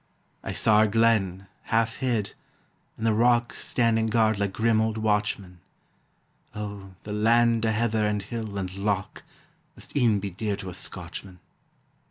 I saw our glen, half hid, and the rocks Standing guard like grim old watchmen. Oh, the land o' heather and hill and loch Must e'en be dear to a Scotchman.